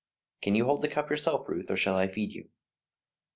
"Can you hold the cup yourself, Ruth, or shall I feed you?"